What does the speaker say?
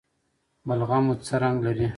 بلغم مو څه رنګ لري؟